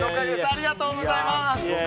ありがとうございます！